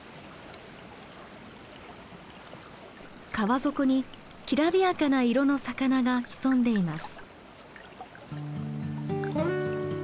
川底にきらびやかな色の魚が潜んでいます。